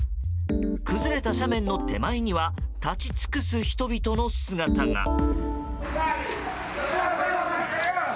崩れた斜面の手前には立ち尽くす人々の姿が。